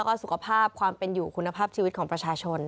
แล้วก็สุขภาพความเป็นอยู่คุณภาพชีวิตของประชาชน